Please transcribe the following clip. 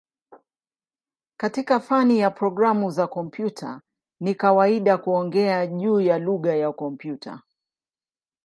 Katika fani ya programu za kompyuta ni kawaida kuongea juu ya "lugha ya kompyuta".